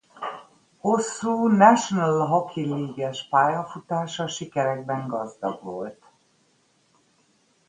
Hosszú National Hockey League-es pályafutása sikerekben gazdag volt.